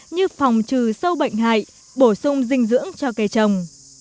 như phòng trừ sâu bệnh hại bổ sung dinh dưỡng cho cây trồng